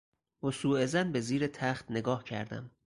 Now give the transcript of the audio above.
با سو ظن به زیر تخت نگاه کردم.